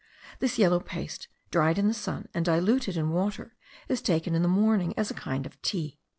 This yellow paste dried in the sun, and diluted in water, is taken in the morning as a kind of tea.